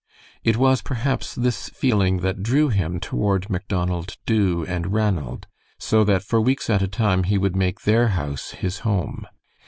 It was, perhaps, this feeling that drew him toward Macdonald Dubh and Ranald, so that for weeks at a time he would make their house his home.